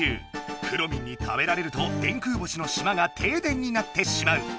くろミンに食べられると電空星の島が停電になってしまう！